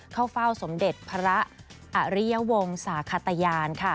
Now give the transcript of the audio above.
เข้าเฝ้าสมเด็จพระอริยวงศาขตยาน